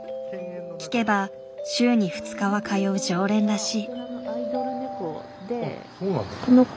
聞けば週に２日は通う常連らしい。